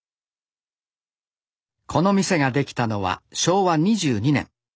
この店が出来たのは昭和２２年。